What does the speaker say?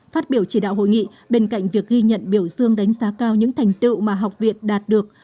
phát biểu chỉ đạo hội nghị bên cạnh việc ghi nhận biểu dương đánh giá cao những thành tựu mà học viện đạt được